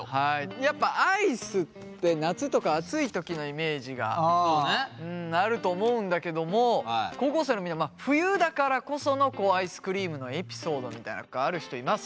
やっぱアイスって夏とか暑い時のイメージがあると思うんだけども高校生のみんな冬だからこそのアイスクリームのエピソードみたいなある人います？